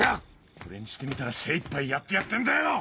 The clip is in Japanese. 俺にしてみたら精いっぱいやってやってんだよ！